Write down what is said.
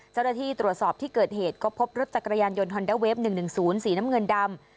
เจ้าหน้าที่ตรวจสอบที่เกิดเหตุก็พบรถจักรยานยนต์ฮอนด้าเวฟ๑๑๐สีน้ำเงินดำ